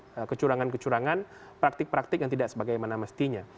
jadi potensi kecurangan kecurangan praktik praktik yang tidak sebagaimana mestinya